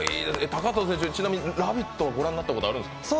高藤選手、ちなみに「ラヴィット！」を御覧になったことはあるんですか。